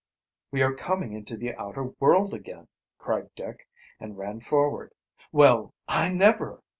"We are coming into the outer world again!" cried Dick, and ran forward. "Well, I never!"